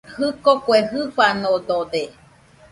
Jɨko kue jɨfanodode